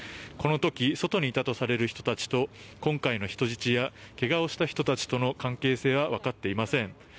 この時外にいたとされる人たちと今回の人質や怪我をした人たちとの関係性はわかっていません。